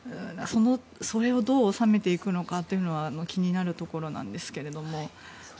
それをどう収めていくかは気になるところなんですけども。